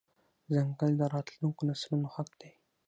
ځنګل د راتلونکو نسلونو حق دی.